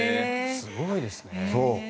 すごいですね。